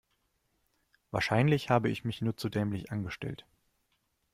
Wahrscheinlich habe ich mich nur zu dämlich angestellt.